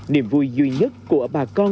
niềm vui duy nhất của bà con